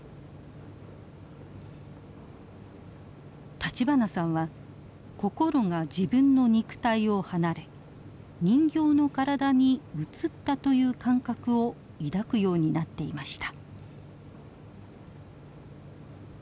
立花さんは心が自分の肉体を離れ人形の体に移ったという感覚を抱くようになっていました。